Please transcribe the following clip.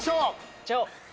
行っちゃおう！